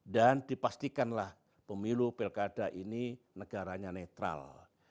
dan dipastikanlah pemilu pilkada ini negaranya netral